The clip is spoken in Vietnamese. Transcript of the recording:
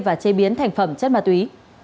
và chế biến thành phẩm chất ma túy